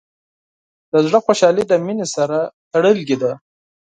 د زړۀ خوشحالي د مینې سره تړلې ده.